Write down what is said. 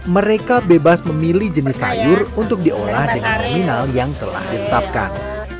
mereka bebas memilih jenis sayur untuk diolah dengan nominal yang telah ditetapkan